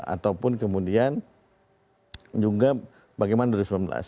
ataupun kemudian juga bagaimana dua ribu sembilan belas